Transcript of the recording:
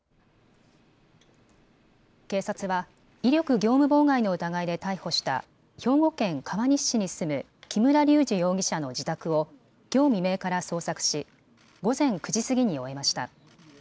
警察は威力業務妨害の疑いで逮捕した兵庫県川西市に住む木村隆二容疑者の自宅をきょう未明から捜索し午前９時過ぎに終えました。